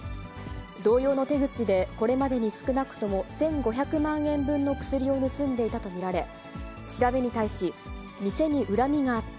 同様の手口で、これまでに少なくとも１５００万円分の薬を盗んでいたと見られ、調べに対し、店に恨みがあった。